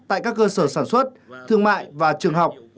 tại các cơ sở sản xuất thương mại và trường học